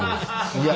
いや。